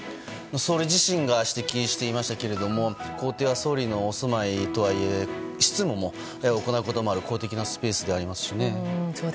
総理自身が指摘していましたけれども公邸は、総理のお住まいとはいえ執務を行うこともある公的なスペースでありますしね。